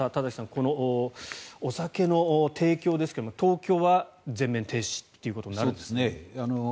このお酒の提供ですが東京は全面停止ということになると。